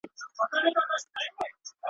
ما مي پر شونډو دي په ورځ کي سل توبې ژلي ,